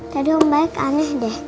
tadi om baik aneh deh